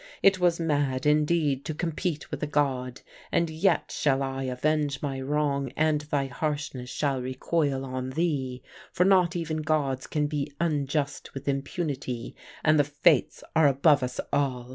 It was mad indeed to compete with a god; and yet shall I avenge my wrong and thy harshness shall recoil on thee. For not even gods can be unjust with impunity, and the Fates are above us all.